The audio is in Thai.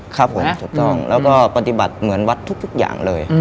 ครับผมถูกต้องแล้วก็ปฏิบัติเหมือนวัดทุกอย่างเลย